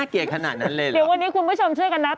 เดี๋ยววันนี้คุณผู้ชมช่วยกับนัท